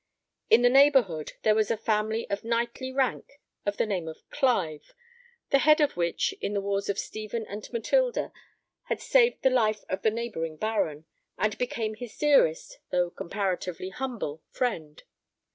In the neighbourhood there was a family of knightly rank, of the name of Clive, the head of which, in the wars of Stephen and Matilda, had saved the life of the neighbouring baron, and became his dearest, though comparatively humble friend.